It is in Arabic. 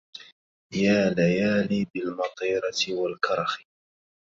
يا ليالي بالمطيرة والكرخ